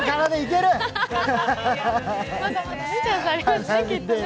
まだまだチャンスありますね、きっとね。